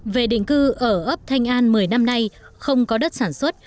về định cư ở ấp thanh an một mươi năm nay không có đất sản xuất